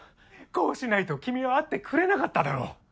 こうしないと君は会ってくれなかっただろ？